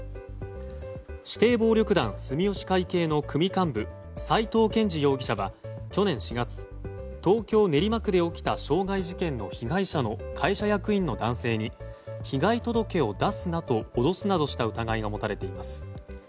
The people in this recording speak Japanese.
指定暴力団住吉会系の組幹部斎藤賢二容疑者は去年４月東京・練馬区で起きた傷害事件の被害者の会社役員の男性に被害届を出すなと脅すなどした疑いが持たれています。